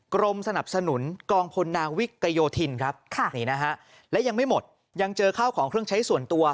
กรมสนับสนุนกองพลนาวิกโยธินครับและยังไม่หมดยังเจอข้าวของเครื่องใช้ส่วนตัว